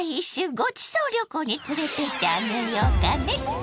ごちそう旅行に連れてってあげようかね。